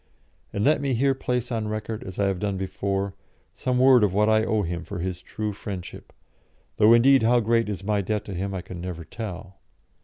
And let me here place on record, as I have done before, some word of what I owe him for his true friendship; though, indeed, how great is my debt to him I can never tell.